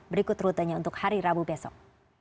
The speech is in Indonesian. berikut rutenya untuk hari rabu besok